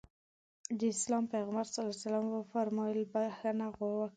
د اسلام پيغمبر ص وفرمايل بښنه وکړئ.